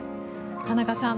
田中さん